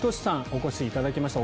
お越しいただきました。